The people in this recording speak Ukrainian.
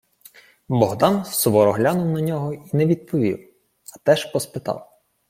Богдан суворо глянув на нього й не відповів, а теж поспитав: